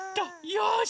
よし。